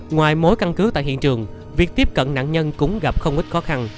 ngoài mối căn cứ tại hiện trường việc tiếp cận nạn nhân cũng gặp không ít khó khăn